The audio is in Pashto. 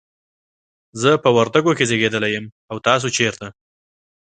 زه په وردګو کې زیږیدلی یم، او تاسو چیرته؟